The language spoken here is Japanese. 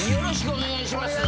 お願いします。